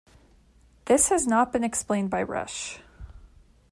This has not been explained by Rush.